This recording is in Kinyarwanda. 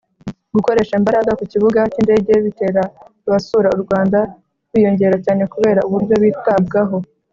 gukoresha imbaraga ku kibuga cy indege bitera abasura u Rwanda biyongera cyane kubera uburyo bitabwaho